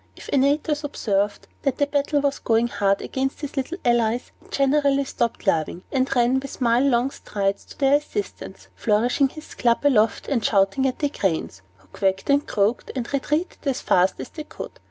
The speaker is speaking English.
If Antaeus observed that the battle was going hard against his little allies, he generally stopped laughing, and ran with mile long strides to their assistance, flourishing his club aloft and shouting at the cranes, who quacked and croaked, and retreated as fast as they could.